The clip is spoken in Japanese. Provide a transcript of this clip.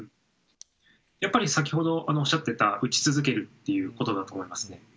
先ほどおっしゃっていた打ち続けるということだと思います。